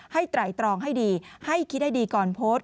ไตรตรองให้ดีให้คิดให้ดีก่อนโพสต์